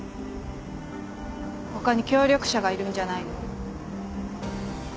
他に協力者がいるんじゃないの？